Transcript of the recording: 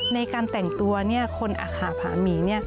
ในการแต่งตัวเนี่ยคนอาคาผาหมีเนี่ย